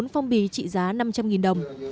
một mươi bốn phong bì trị giá năm trăm linh đồng